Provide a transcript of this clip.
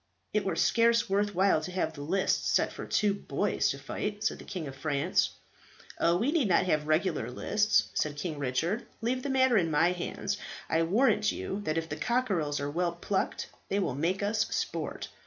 "It were scarce worth while to have the lists set for two boys to fight," said the King of France. "Oh, we need not have regular lists," said King Richard. "Leave that matter in my hands. I warrant you that if the cockerels are well plucked, they will make us sport.